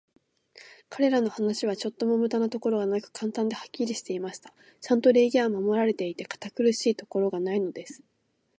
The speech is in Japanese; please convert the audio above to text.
彼等の話は、ちょっとも無駄なところがなく、簡単で、はっきりしていました。ちゃんと礼儀は守られていて、堅苦しいところがないのです。